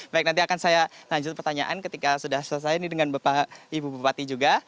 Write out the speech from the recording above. baik nanti akan saya lanjut pertanyaan ketika sudah selesai ini dengan ibu bupati juga